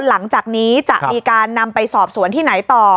หลังจากนี้จะมีการนำไปสอบสวนที่ไหนต่อ